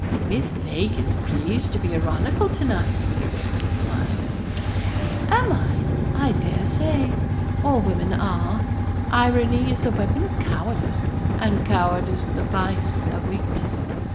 'Miss Lake is pleased to be ironical to night,' he said, with a smile. 'Am I? I dare say. All women are. Irony is the weapon of cowardice, and cowardice the vice of weakness.